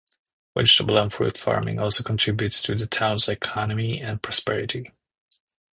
Vegetable and fruit farming also contributes to the town's economy and prosperity.